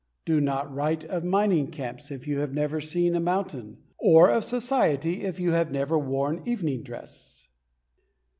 Do not write of mining camps if you have never seen a mountain, or of society if you have never worn evening dress.